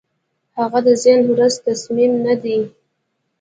هغه د نن ورځ تصامیم نه دي،